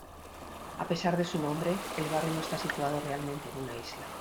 A pesar de su nombre, el barrio no está situado realmente en una isla.